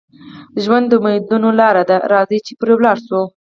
ژوند د امیدونو لاره ده، راځئ چې پرې ولاړ شو.